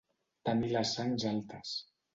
Tenir les sangs altes.